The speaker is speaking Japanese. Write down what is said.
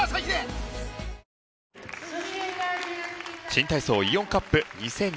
新体操イオンカップ２０２２。